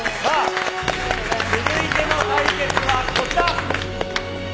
続いての対決はこちら。